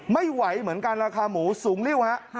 ไม่ไหวเหมือนกันราคาหมูสูงริ้วฮะ